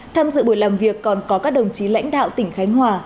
tham dự buổi làm việc còn có các đồng chí lãnh đạo tỉnh khánh hòa